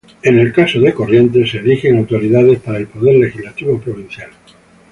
En el caso de Corrientes, se eligen autoridades para el Poder Legislativo provincial.